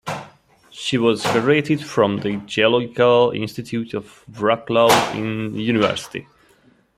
She graduated from the Geological Institute of Wroclaw University.